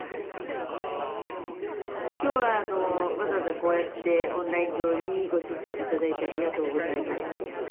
きょうはわざわざこうやってオンライン上にご出席いただいてありがとうございます。